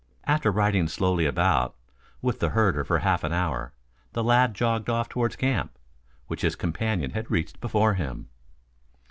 After riding slowly about with, the herder for half an hour, the lad jogged off toward camp, which his companion had reached before him.